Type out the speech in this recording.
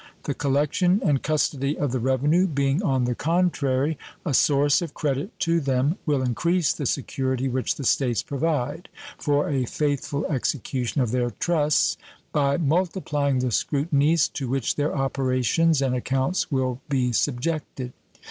The collection and custody of the revenue, being, on the contrary, a source of credit to them, will increase the security which the States provide for a faithful execution of their trusts by multiplying the scrutinies to which their operations and accounts will be subjected.